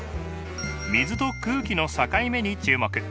水と空気の境目に注目。